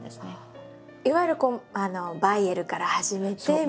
いわゆるバイエルから始めてみたいな。